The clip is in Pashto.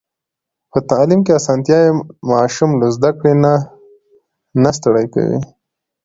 په تعلیم کې اسانتيا وي، ماشوم له زده کړې نه ستړی کوي.